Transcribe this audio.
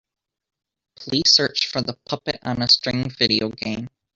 Please search for the Puppet on a String video game.